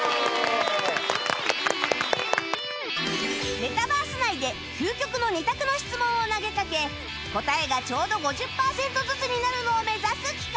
メタバース内で究極の２択の質問を投げかけ答えがちょうど５０パーセントずつになるのを目指す企画